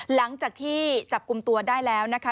หลังจากที่จับกลุ่มตัวได้แล้วนะคะ